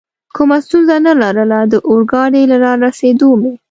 کومه ستونزه نه لرله، د اورګاډي له رارسېدو مې.